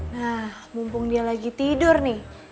nah mumpung dia lagi tidur nih